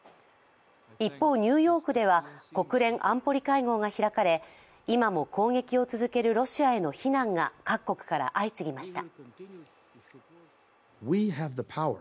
一方、ニューヨークでは国連安保理会合が開かれ今も攻撃を続けるロシアへの非難が各国から相次ぎました。